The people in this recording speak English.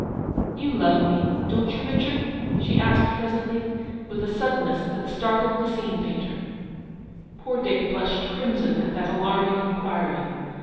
* You love me, don't you, Richard ?" she asked presently, with a suddenness that startled the scene painter. Poor Dick blushed crimson at that alarming inquiry.